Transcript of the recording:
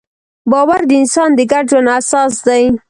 باور د انسان د ګډ ژوند اساس دی.